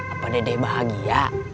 apa dede bahagia